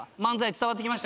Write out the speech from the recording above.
伝わってきました？